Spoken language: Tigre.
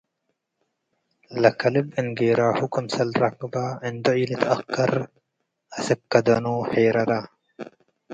ለከልብ እንጌራሁ ክምሰል ረክበ እንዶ ኢልትአከር አስክ ከደኑ ሂሄረረ።